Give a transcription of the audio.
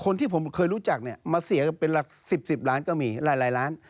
คนที่ผมเคยรู้จักเนี่ยมาเสียเป็นหลัก๑๐๑๐ล้านก็มีหลายล้าน